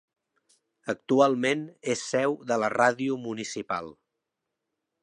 Actualment, és seu de la ràdio municipal.